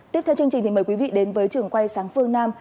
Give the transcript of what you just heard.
tiếp theo chương trình thì mời quý vị đến với trường quay sáng phương nam